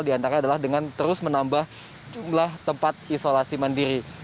diantara adalah dengan terus menambah jumlah tempat isolasi mandiri